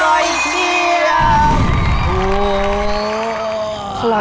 อร่อยมาก